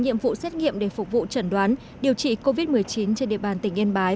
nhiệm vụ xét nghiệm để phục vụ chẩn đoán điều trị covid một mươi chín trên địa bàn tỉnh yên bái